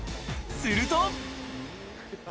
すると。